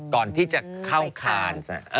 ก่อนที่จะเข้าคาน